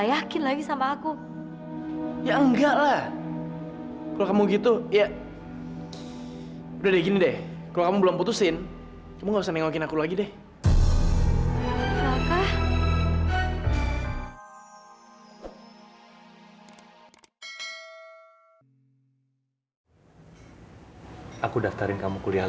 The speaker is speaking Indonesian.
aku daftarin kamu kuliah lagi tak